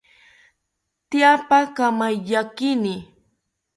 Tyapa kamaiyakini